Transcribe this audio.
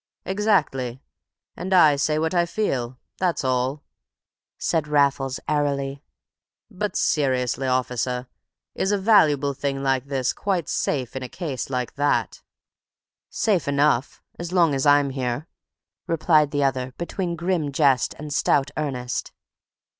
"Exactly; and I say what I feel, that's all," said Raffles airily. "But seriously, officer, is a valuable thing like this quite safe in a case like that?" "Safe enough as long as I'm here," replied the other, between grim jest and stout earnest.